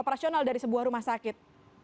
operasional dari sebuah rumah sakit